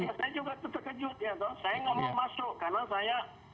ya saya juga terkejut ya saya nggak mau masuk karena saya